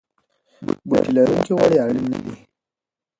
بوټي لرونکي غوړي اړین نه دي.